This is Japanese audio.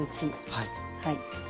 はい。